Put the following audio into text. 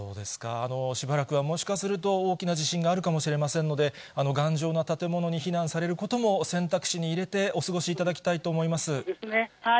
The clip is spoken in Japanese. しばらくは、もしかすると、大きな地震があるかもしれませんので、頑丈な建物に避難されることも選択肢に入れて、お過ごしいただきそうですね、はい。